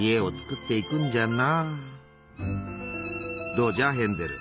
どうじゃヘンゼル。